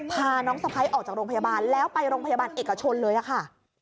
พาน้องสะพ้ายออกจากโรงพยาบาลแล้วไปโรงพยาบาลเอกชนเลยค่ะ